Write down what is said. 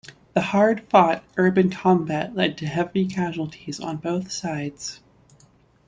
The hard-fought urban combat led to heavy casualties on both sides.